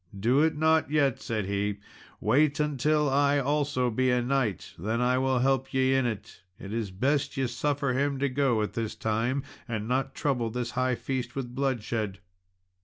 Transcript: "Do it not yet," said he; "wait till I also be a knight, then will I help ye in it: it is best ye suffer him to go at this time, and not trouble this high feast with bloodshed."